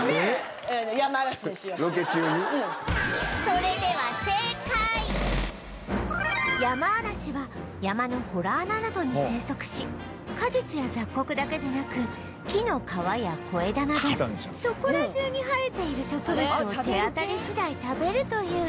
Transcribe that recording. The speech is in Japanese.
それではヤマアラシは山の洞穴などに生息し果実や雑穀だけでなく木の皮や小枝などそこら中に生えている植物を手当たり次第食べるという